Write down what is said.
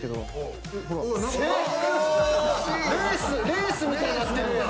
レースみたいになってるんだ。